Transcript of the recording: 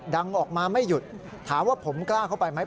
ดังออกมาไม่หยุดถามว่าผมกล้าเข้าไปไหม